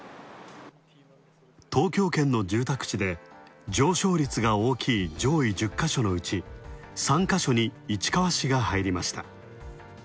東京圏の住宅地で、上昇率が大きい上位１０ヶ所のうち、３か所に市川市が入りました。